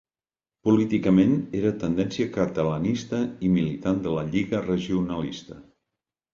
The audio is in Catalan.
Políticament era tendència catalanista i militant de la Lliga Regionalista.